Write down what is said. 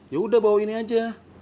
yaudah bawa ini aja